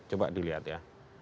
coba dilihat ya